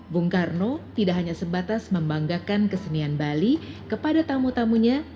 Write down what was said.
bung karno tidak hanya sebatas membanggakan kesenian bali kepada tamu tamunya